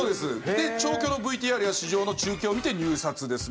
調教のＶＴＲや市場の入札を見て、入札です。